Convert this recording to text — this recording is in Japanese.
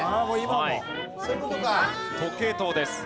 時計塔です。